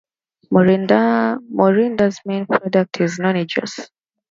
Morinda's main product is noni juice.